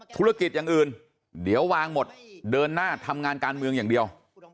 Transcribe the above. ธุรกิจอย่างอื่นเดี๋ยววางหมดเดินหน้าทำงานการเมืองอย่างเดียว